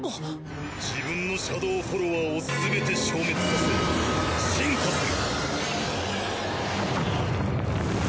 自分のシャドウフォロワーをすべて消滅させ進化する。